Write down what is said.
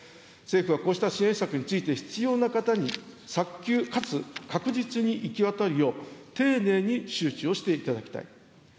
政府はこうした支援策について、必要な方に早急かつ確実に行き渡るよう、丁寧に周知をしていただきたい。